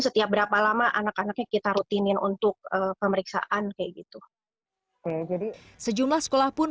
setiap berapa lama anak anaknya kita rutinin untuk pemeriksaan kayak gitu jadi sejumlah sekolah pun